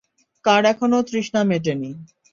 কার এখনো তৃষ্ণা মেটেনি?